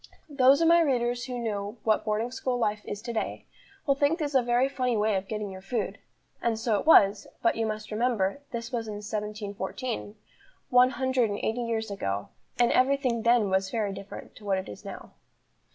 Those of my readers who know what boarding school life is to day, will think this a very funny way of getting your food; and so it was, but, you must remember, this was in 1714, one hundred and eighty years ago, and every thing then was very different to what it is now.